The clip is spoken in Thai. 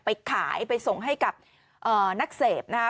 ไปขายไปส่งให้กับนักเสพนะคะ